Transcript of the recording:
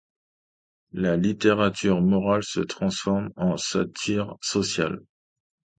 La littérature morale se transforme en satire sociale.